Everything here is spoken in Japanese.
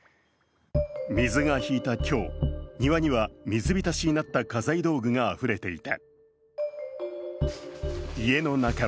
水が引いた今日、庭には水浸しになった家財道具があふれていた。